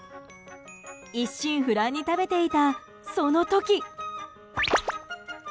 一心不乱に食べていた、その時。